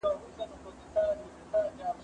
زه به ليکنې کړي وي.